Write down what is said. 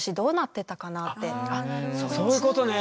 そういうことね。